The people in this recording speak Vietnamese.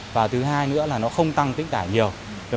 và thứ hai nữa là nó không tăng tính tải nhiều